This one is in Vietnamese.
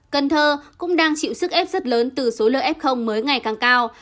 cần thơ cũng đang chịu sức ép rất lớn từ số lượng f mới ngày càng cao